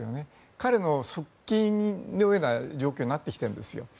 彼の側近のような状況になってきているんです。